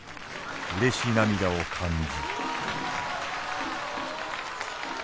うれし涙を感ず」。